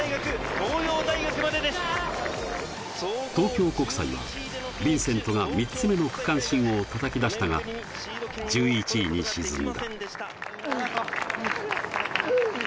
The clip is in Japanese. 東京国際はヴィンセントが３つ目の区間新を叩き出したが、１１位に沈んだ。